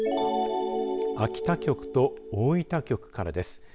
秋田局と大分局からです。